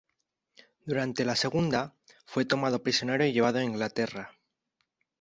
Durante la segunda, fue tomado prisionero y llevado a Inglaterra.